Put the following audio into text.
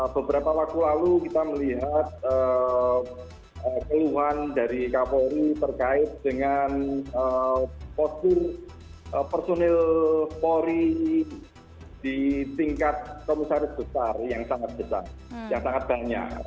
beberapa waktu lalu kita melihat keluhan dari kapolri terkait dengan postur personil polri di tingkat komisaris besar yang sangat besar yang sangat banyak